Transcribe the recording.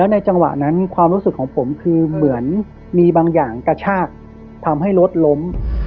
ในจังหวะนั้นความรู้สึกของผมคือเหมือนมีบางอย่างกระชากทำให้รถล้ม